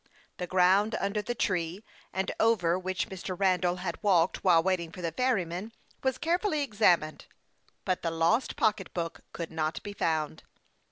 The ground under the tree, and over which Mr. Randall had walked while \vaiting for the ferryman, was carefully examined, but the lost pocketbook could not be found.